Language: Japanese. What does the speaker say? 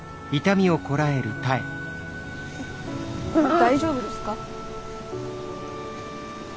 大丈夫ですか？